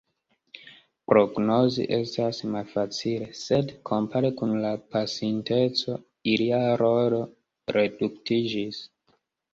Prognozi estas malfacile, sed kompare kun la pasinteco ilia rolo reduktiĝis.